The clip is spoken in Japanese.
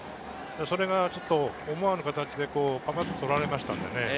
それが思わぬ形で取られましたのでね。